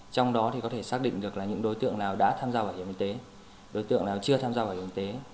trong đó thì có thể xác định được là những đối tượng nào đã tham gia bảo hiểm y tế đối tượng nào chưa tham gia bảo hiểm y tế